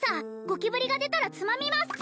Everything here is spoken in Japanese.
ゴキブリが出たらつまみます